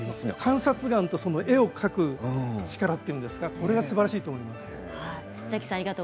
観察眼というか描く力というんですか、それがすばらしいと思います。